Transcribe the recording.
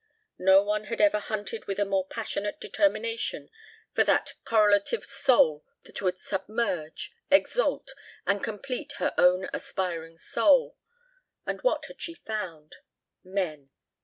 No one had ever hunted with a more passionate determination for that correlative soul that would submerge, exalt, and complete her own aspiring soul. And what had she found? Men.